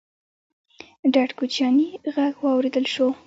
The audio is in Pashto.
ډډ کوچيانی غږ واورېدل شو: